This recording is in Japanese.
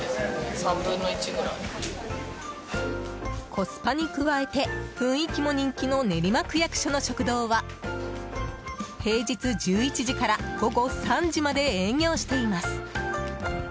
コスパに加えて雰囲気も人気の練馬区役所の食堂は平日１１時から午後３時まで営業しています。